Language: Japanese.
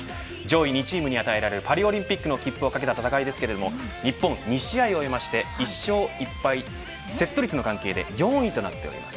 上位２チームに与えられるパリオリンピックの切符を懸けた戦いですけれども日本は２試合を終えて１勝１敗セット率の関係で４位となっております。